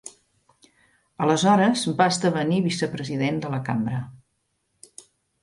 Aleshores va esdevenir vicepresident de la Cambra.